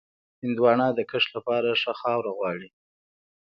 هندوانه د کښت لپاره ښه خاوره غواړي.